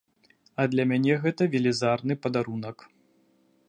А для мяне гэта велізарны падарунак.